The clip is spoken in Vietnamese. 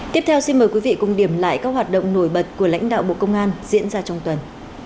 tiếp theo xin mời quý vị cùng điểm lại các hoạt động nổi bật của lãnh đạo bộ công an diễn ra trong tuần